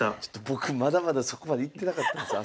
僕まだまだそこまでいってなかったです